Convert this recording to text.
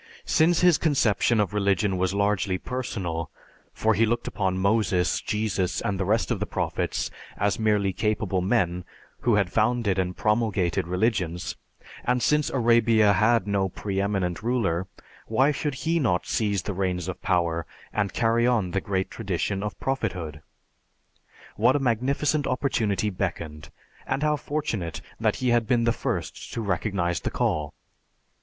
"Since his conception of religion was largely personal, for he looked upon Moses, Jesus, and the rest of the prophets as merely capable men who had founded and promulgated religions; and since Arabia had no pre eminent ruler, why should he not seize the reins of power and carry on the great tradition of prophethood? What a magnificent opportunity beckoned, and how fortunate that he had been the first to recognize the call!